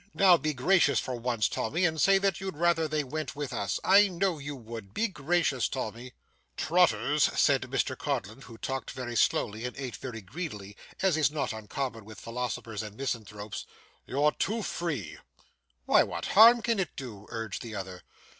'Now be gracious for once, Tommy, and say that you'd rather they went with us. I know you would. Be gracious, Tommy.' 'Trotters,' said Mr Codlin, who talked very slowly and ate very greedily, as is not uncommon with philosophers and misanthropes; 'you're too free.' 'Why what harm can it do?' urged the other.